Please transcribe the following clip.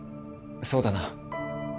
そうだな